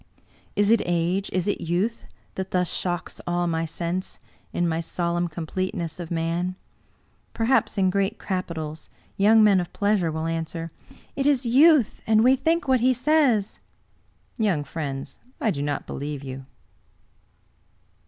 Is it age, is it youth, that thus shocks all my sense, in my solemn completeness of man? Perhaps, in grest capi tals, young men of pleasure will answer, " It is youth ; and we think what he says !" Young friends, I do not believe you.